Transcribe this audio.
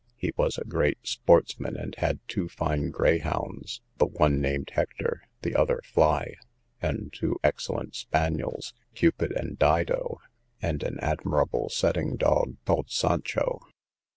He was a great sportsman, and had two fine greyhounds, the one named Hector, the other Fly; and two excellent spaniels, Cupid and Dido, and an admirable setting dog, called Sancho.